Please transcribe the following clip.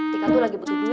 tika tuh lagi butuh diri ya